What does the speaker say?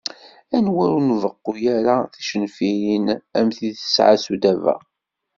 Anwa ur nbeqqu ara ticenfirin am tid tesɛa Sudaba.